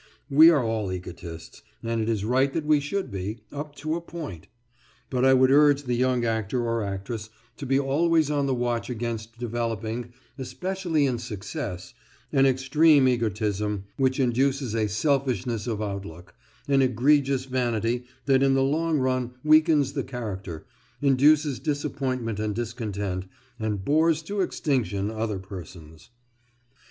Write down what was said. We are all egotists, and it is right that we should be, up to a point. But I would urge the young actor or actress to be always on the watch against developing, especially in success, an extreme egotism which induces a selfishness of outlook, an egregious vanity that in the long run weakens the character, induces disappointment and discontent, and bores to extinction other persons.